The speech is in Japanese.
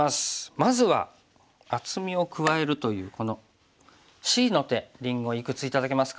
まずは厚みを加えるというこのＣの手りんごいくつ頂けますか？